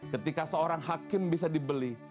ketika seorang hakim bisa dibeli